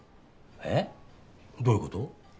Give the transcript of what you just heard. えっ？どういうこと？